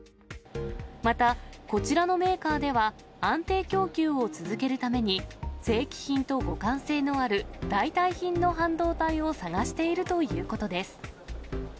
また、こちらのメーカーでは安定供給を続けるために、正規品と互換性のある代替品の半導体を探しているということです。